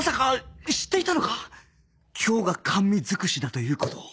今日が甘味づくしだという事を